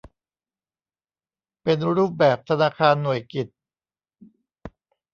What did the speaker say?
เป็นรูปแบบธนาคารหน่วยกิต